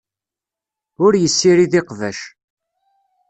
Ur yessirid iqbac.